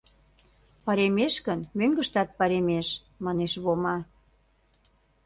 — Паремеш гын, мӧҥгыштат паремеш, — манеш Вома.